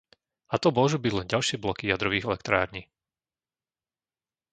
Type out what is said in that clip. A to môžu byť len ďalšie bloky jadrových elektrární.